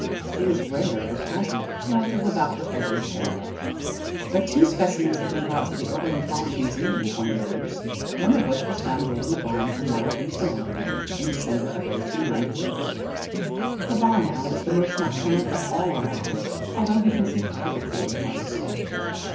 It is rare or casual north of about the fortieth parallel. But two specimens have been brought to the Oberlin College Museum in twenty years, one of which was found dead in a barn a mile east of Oberlin in December of 1898. The barn owl is the most nocturnal of all our owls, although he can see perfectly in the brightest day.